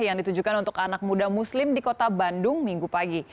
yang ditujukan untuk anak muda muslim di kota bandung minggu pagi